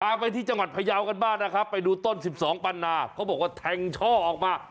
ต้องกำลังไปที่จังหวัดพยาวกันบ้านนะคะไปดูต้น๑๒ปันนาเขาบอกว่าแท็งช่อออกมา